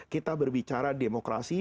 kita berbicara demokrasi